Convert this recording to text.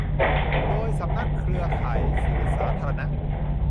โดย สำนักเครือข่ายสื่อสาธารณะ